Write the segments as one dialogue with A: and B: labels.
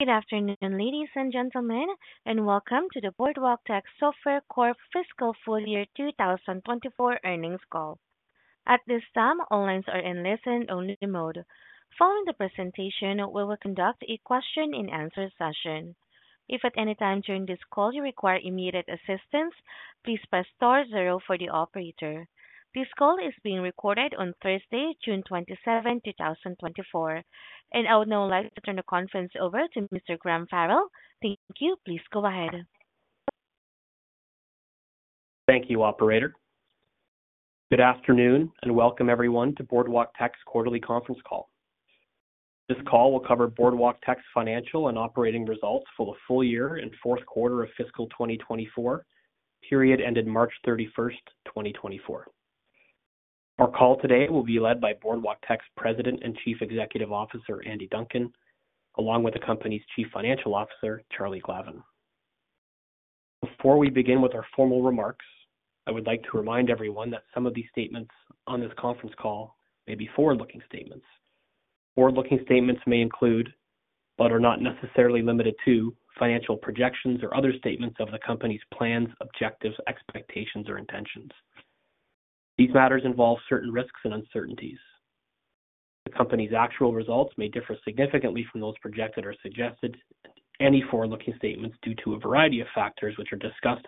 A: Good afternoon, ladies and gentlemen, and welcome to the Boardwalktech Software Corp. Fiscal Full Year 2024 Earnings Call. At this time, all lines are in listen-only mode. Following the presentation, we will conduct a question-and-answer session. If at any time during this call you require immediate assistance, please press star zero for the operator. This call is being recorded on Thursday, June 27, 2024. I would now like to turn the conference over to Mr. Graham Farrell. Thank you. Please go ahead.
B: Thank you, Operator. Good afternoon and welcome everyone to Boardwalktech's quarterly conference call. This call will cover Boardwalktech's financial and operating results for the full year and fourth quarter of fiscal 2024, period ended March 31, 2024. Our call today will be led by Boardwalktech's President and Chief Executive Officer, Andy Duncan, along with the company's Chief Financial Officer, Charlie Glavin. Before we begin with our formal remarks, I would like to remind everyone that some of these statements on this conference call may be forward-looking statements. Forward-looking statements may include, but are not necessarily limited to, financial projections or other statements of the company's plans, objectives, expectations, or intentions. These matters involve certain risks and uncertainties. The company's actual results may differ significantly from those projected or suggested in any forward-looking statements due to a variety of factors which are discussed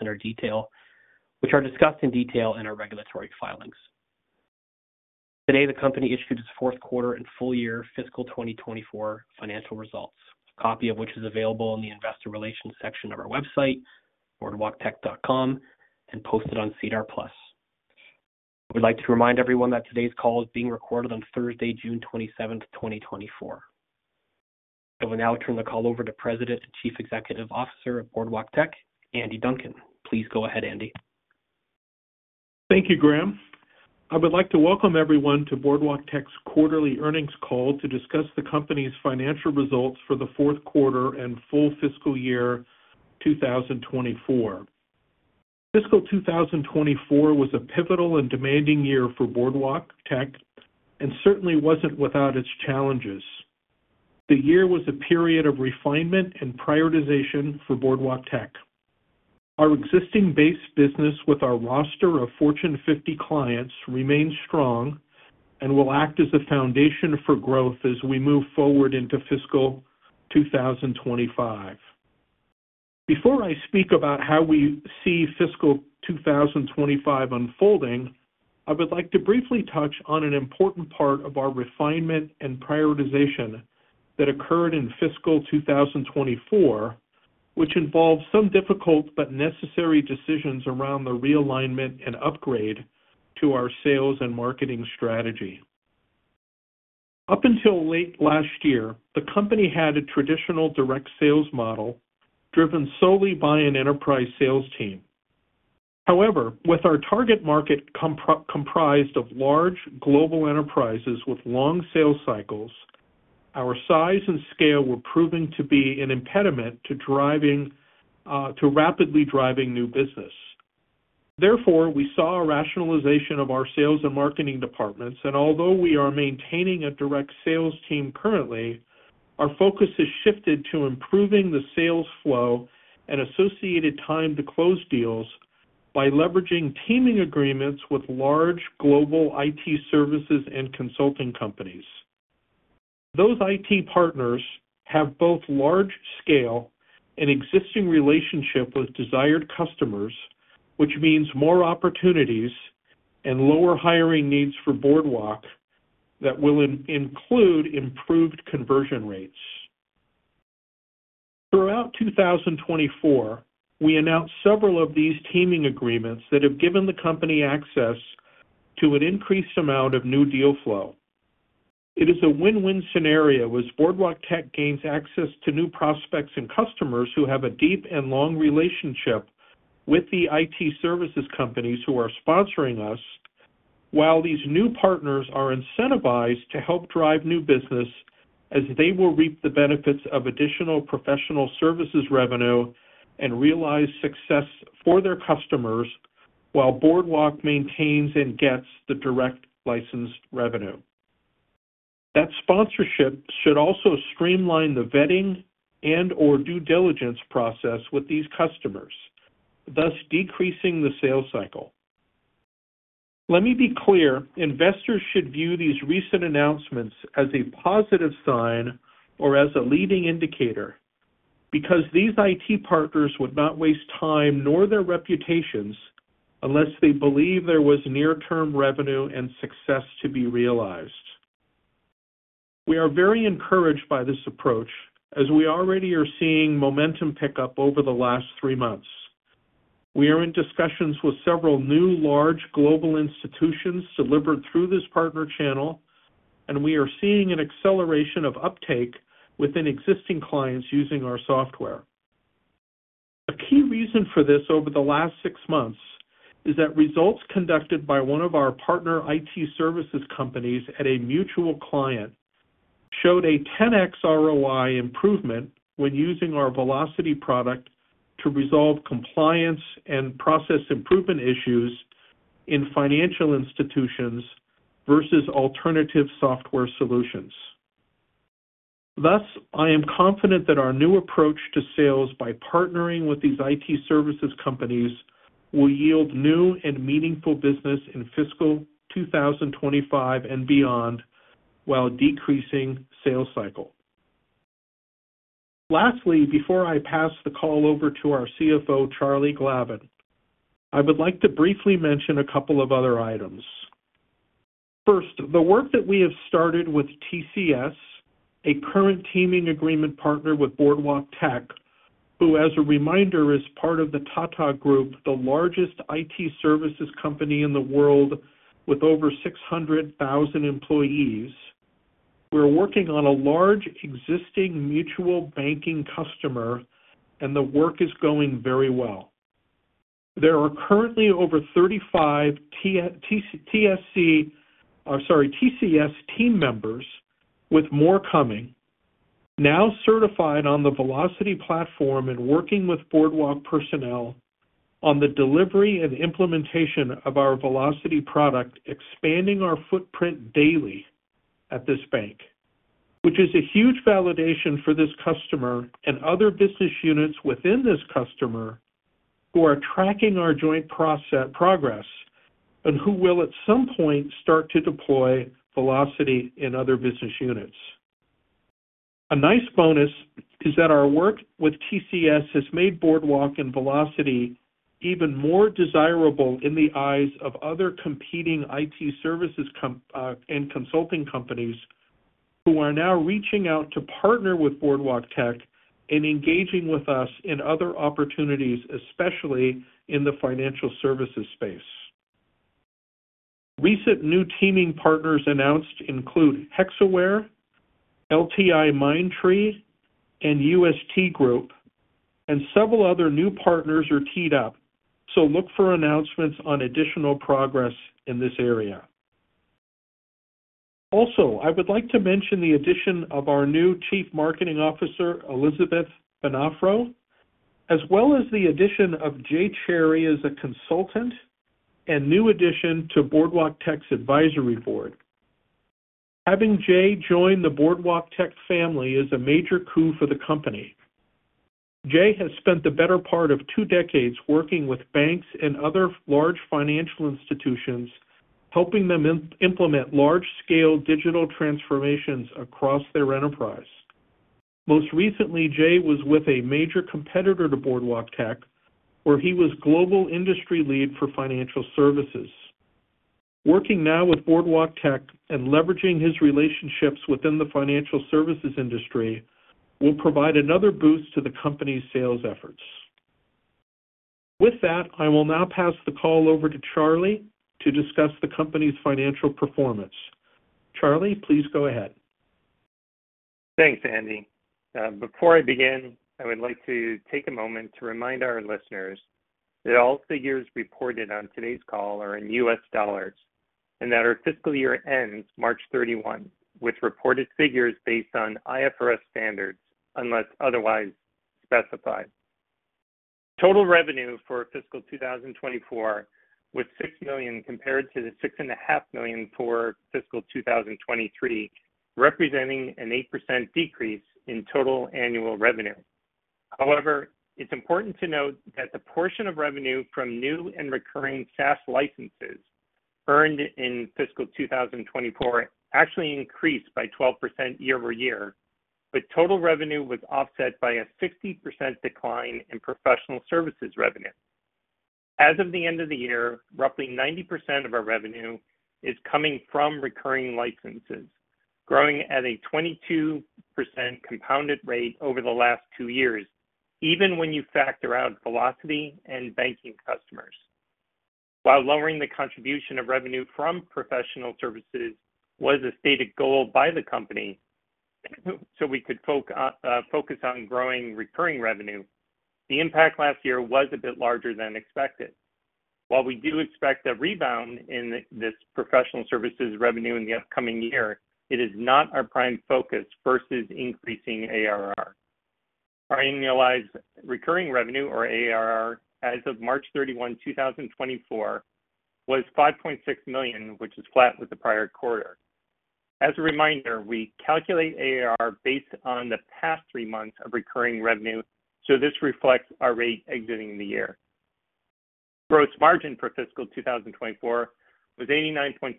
B: in detail in our regulatory filings. Today, the company issued its fourth quarter and full year fiscal 2024 financial results, a copy of which is available in the investor relations section of our website, boardwalktech.com, and posted on SEDAR+. I would like to remind everyone that today's call is being recorded on Thursday, June 27, 2024. I will now turn the call over to President and Chief Executive Officer of Boardwalktech, Andy Duncan. Please go ahead, Andy.
C: Thank you, Graham. I would like to welcome everyone to Boardwalktech's quarterly earnings call to discuss the company's financial results for the fourth quarter and full fiscal year 2024. Fiscal 2024 was a pivotal and demanding year for Boardwalktech and certainly wasn't without its challenges. The year was a period of refinement and prioritization for Boardwalktech. Our existing base business with our roster of Fortune 50 clients remains strong and will act as a foundation for growth as we move forward into fiscal 2025. Before I speak about how we see fiscal 2025 unfolding, I would like to briefly touch on an important part of our refinement and prioritization that occurred in fiscal 2024, which involved some difficult but necessary decisions around the realignment and upgrade to our sales and marketing strategy. Up until late last year, the company had a traditional direct sales model driven solely by an enterprise sales team. However, with our target market comprised of large global enterprises with long sales cycles, our size and scale were proving to be an impediment to rapidly driving new business. Therefore, we saw a rationalization of our sales and marketing departments, and although we are maintaining a direct sales team currently, our focus has shifted to improving the sales flow and associated time to close deals by leveraging teaming agreements with large global IT services and consulting companies. Those IT partners have both large scale and existing relationships with desired customers, which means more opportunities and lower hiring needs for Boardwalktech that will include improved conversion rates. Throughout 2024, we announced several of these teaming agreements that have given the company access to an increased amount of new deal flow. It is a win-win scenario as Boardwalktech gains access to new prospects and customers who have a deep and long relationship with the IT services companies who are sponsoring us, while these new partners are incentivized to help drive new business as they will reap the benefits of additional professional services revenue and realize success for their customers while Boardwalktech maintains and gets the direct license revenue. That sponsorship should also streamline the vetting and/or due diligence process with these customers, thus decreasing the sales cycle. Let me be clear: investors should view these recent announcements as a positive sign or as a leading indicator because these IT partners would not waste time nor their reputations unless they believe there was near-term revenue and success to be realized. We are very encouraged by this approach as we already are seeing momentum pick up over the last three months. We are in discussions with several new large global institutions delivered through this partner channel, and we are seeing an acceleration of uptake within existing clients using our software. A key reason for this over the last six months is that results conducted by one of our partner IT services companies at a mutual client showed a 10x ROI improvement when using our Velocity product to resolve compliance and process improvement issues in financial institutions versus alternative software solutions. Thus, I am confident that our new approach to sales by partnering with these IT services companies will yield new and meaningful business in fiscal 2025 and beyond while decreasing sales cycle. Lastly, before I pass the call over to our CFO, Charlie Glavin, I would like to briefly mention a couple of other items. First, the work that we have started with TCS, a current teaming agreement partner with Boardwalktech, who, as a reminder, is part of the Tata Group, the largest IT services company in the world with over 600,000 employees. We're working on a large existing mutual banking customer, and the work is going very well. There are currently over 35 TCS team members, with more coming, now certified on the Velocity platform and working with Boardwalk personnel on the delivery and implementation of our Velocity product, expanding our footprint daily at this bank, which is a huge validation for this customer and other business units within this customer who are tracking our joint progress and who will at some point start to deploy Velocity in other business units. A nice bonus is that our work with TCS has made Boardwalk and Velocity even more desirable in the eyes of other competing IT services and consulting companies who are now reaching out to partner with Boardwalktech and engaging with us in other opportunities, especially in the financial services space. Recent new teaming partners announced include Hexaware, LTIMindtree, and UST, and several other new partners are teed up, so look for announcements on additional progress in this area. Also, I would like to mention the addition of our new Chief Marketing Officer, Elizabeth Bonnafé, as well as the addition of Jay Cherrie as a consultant and new addition to Boardwalktech's advisory board. Having Jay join the Boardwalktech family is a major coup for the company. Jay has spent the better part of two decades working with banks and other large financial institutions, helping them implement large-scale digital transformations across their enterprise. Most recently, Jay was with a major competitor to Boardwalktech, where he was global industry lead for financial services. Working now with Boardwalktech and leveraging his relationships within the financial services industry will provide another boost to the company's sales efforts. With that, I will now pass the call over to Charlie to discuss the company's financial performance. Charlie, please go ahead.
D: Thanks, Andy. Before I begin, I would like to take a moment to remind our listeners that all figures reported on today's call are in US dollars and that our fiscal year ends March 31, with reported figures based on IFRS standards unless otherwise specified. Total revenue for fiscal 2024 was $6 million compared to the $6.5 million for fiscal 2023, representing an 8% decrease in total annual revenue. However, it's important to note that the portion of revenue from new and recurring SaaS licenses earned in fiscal 2024 actually increased by 12% year-over-year, but total revenue was offset by a 60% decline in professional services revenue. As of the end of the year, roughly 90% of our revenue is coming from recurring licenses, growing at a 22% compounded rate over the last two years, even when you factor out Velocity and banking customers. While lowering the contribution of revenue from professional services was a stated goal by the company so we could focus on growing recurring revenue, the impact last year was a bit larger than expected. While we do expect a rebound in this professional services revenue in the upcoming year, it is not our prime focus versus increasing ARR. Our annualized recurring revenue, or ARR, as of March 31, 2024, was $5.6 million, which is flat with the prior quarter. As a reminder, we calculate ARR based on the past three months of recurring revenue, so this reflects our rate exiting the year. Gross margin for fiscal 2024 was 89.6%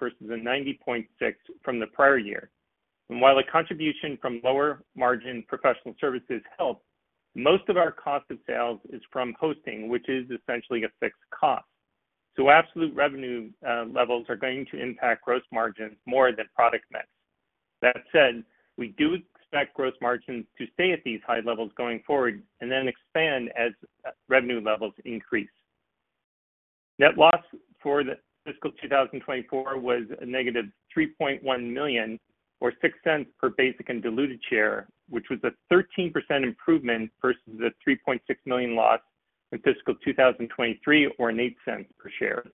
D: versus a 90.6% from the prior year. And while a contribution from lower margin professional services helps, most of our cost of sales is from hosting, which is essentially a fixed cost. So absolute revenue levels are going to impact gross margins more than product mix. That said, we do expect gross margins to stay at these high levels going forward and then expand as revenue levels increase. Net loss for fiscal 2024 was a negative $3.1 million, or $0.06 per basic and diluted share, which was a 13% improvement versus the $3.6 million loss in fiscal 2023, or $0.08 per share.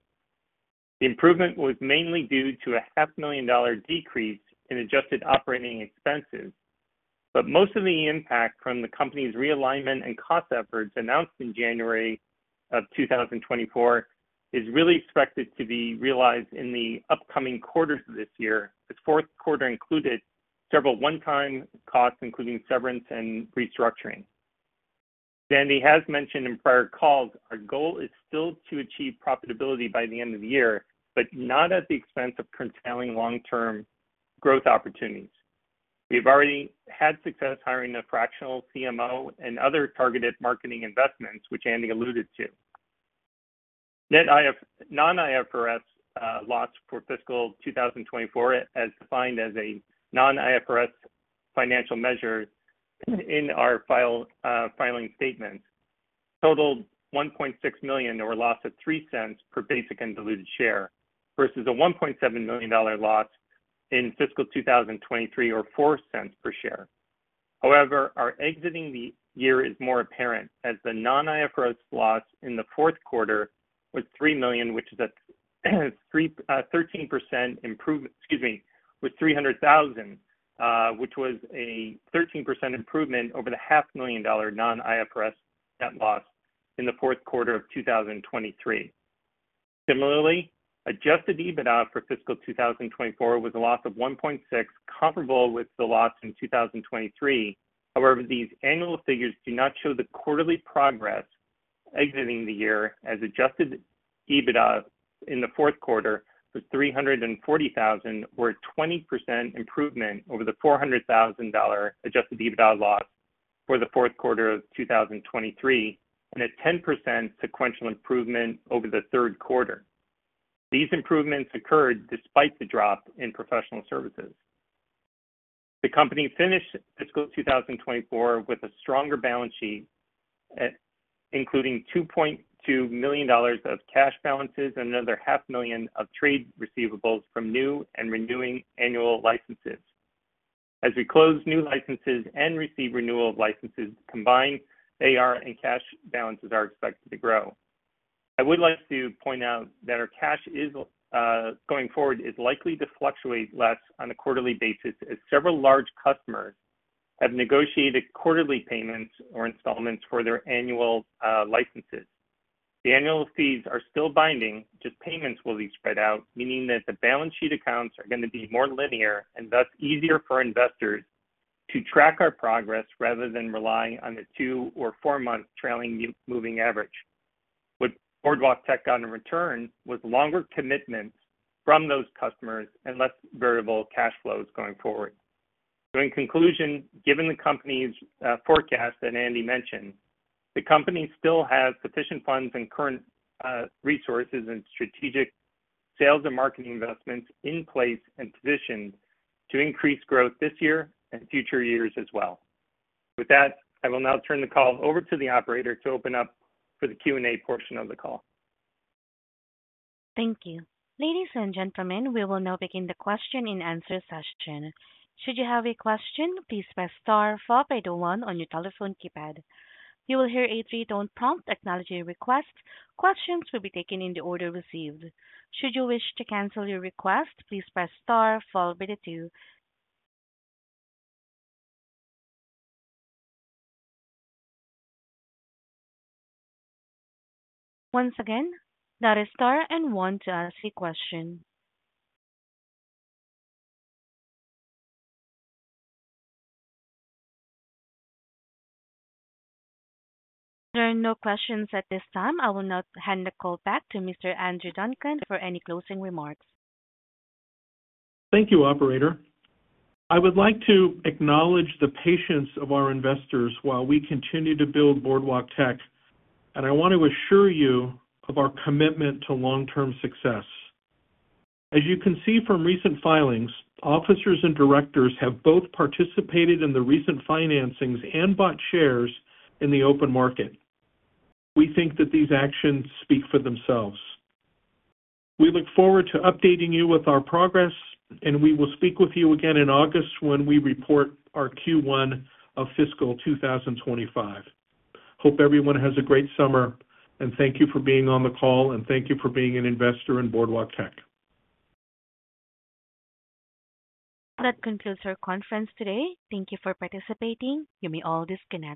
D: The improvement was mainly due to a $500,000 decrease in adjusted operating expenses, but most of the impact from the company's realignment and cost efforts announced in January of 2024 is really expected to be realized in the upcoming quarters of this year, the fourth quarter included several one-time costs, including severance and restructuring. As Andy has mentioned in prior calls, our goal is still to achieve profitability by the end of the year, but not at the expense of curtailing long-term growth opportunities. We have already had success hiring a fractional CMO and other targeted marketing investments, which Andy alluded to. Net non-IFRS loss for fiscal 2024, as defined as a non-IFRS financial measure in our filing statements, totaled $1.6 million, or a loss of $0.03 per basic and diluted share, versus a $1.7 million loss in fiscal 2023, or $0.04 per share. However, our exiting the year is more apparent as the non-IFRS loss in the fourth quarter was $3 million, which is a 13% improvement, excuse me, was $300,000, which was a 13% improvement over the $500,000 non-IFRS net loss in the fourth quarter of 2023. Similarly, adjusted EBITDA for fiscal 2024 was a loss of $1.6 million, comparable with the loss in 2023. However, these annual figures do not show the quarterly progress exiting the year, as adjusted EBITDA in the fourth quarter was $340,000, or a 20% improvement over the $400,000 adjusted EBITDA loss for the fourth quarter of 2023, and a 10% sequential improvement over the third quarter. These improvements occurred despite the drop in professional services. The company finished fiscal 2024 with a stronger balance sheet, including $2.2 million of cash balances and another $500,000 of trade receivables from new and renewing annual licenses. As we close new licenses and receive renewal of licenses combined, AR and cash balances are expected to grow. I would like to point out that our cash going forward is likely to fluctuate less on a quarterly basis, as several large customers have negotiated quarterly payments or installments for their annual licenses. The annual fees are still binding, just payments will be spread out, meaning that the balance sheet accounts are going to be more linear and thus easier for investors to track our progress rather than rely on the two or four-month trailing moving average. What Boardwalktech got in return was longer commitments from those customers and less variable cash flows going forward. In conclusion, given the company's forecast that Andy mentioned, the company still has sufficient funds and current resources and strategic sales and marketing investments in place and positioned to increase growth this year and future years as well. With that, I will now turn the call over to the operator to open up for the Q&A portion of the call.
A: Thank you. Ladies and gentlemen, we will now begin the question and answer session. Should you have a question, please press star, followed by the one on your telephone keypad. You will hear a three-tone prompt acknowledging your request. Questions will be taken in the order received. Should you wish to cancel your request, please press star, followed by the two. Once again, that is star and one to ask a question. There are no questions at this time. I will now hand the call back to Mr. Andrew Duncan for any closing remarks.
C: Thank you, Operator. I would like to acknowledge the patience of our investors while we continue to build Boardwalktech, and I want to assure you of our commitment to long-term success. As you can see from recent filings, officers and directors have both participated in the recent financings and bought shares in the open market. We think that these actions speak for themselves. We look forward to updating you with our progress, and we will speak with you again in August when we report our Q1 of fiscal 2025. Hope everyone has a great summer, and thank you for being on the call, and thank you for being an investor in Boardwalktech.
A: That concludes our conference today. Thank you for participating. You may all disconnect.